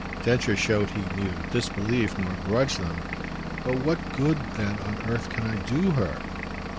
Densher showed he neither disbelieved nor grudged them. "But what good then on earth can I do her?"